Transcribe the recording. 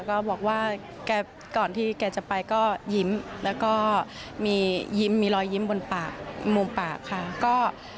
ก็บอกว่าแกก่อนที่แกจะไปก็ยิ้มแล้วก็มียิ้มมีรอยยิ้มบนปากมุมปากค่ะ